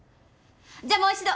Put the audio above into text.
じゃあもう一度。